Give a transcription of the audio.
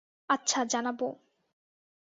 আচ্ছা, জানাবো।